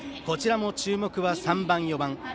こちらも注目は３番、４番。